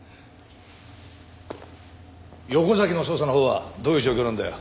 横崎の捜査のほうはどういう状況なんだよ？